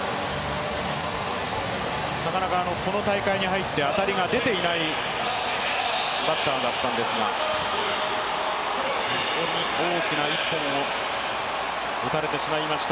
なかなかこの大会に入って当たりが出ていないバッターだったんですが、大きな一本を打たれてしまいました。